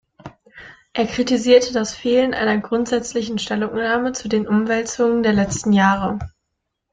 Er kritisierte das Fehlen einer grundsätzlichen Stellungnahme zu den „Umwälzungen“ der letzten Jahre.